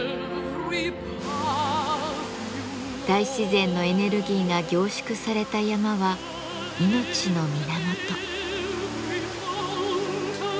大自然のエネルギーが凝縮された山は命の源。